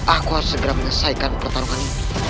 aku harus segera menyesaikan pertarungan ini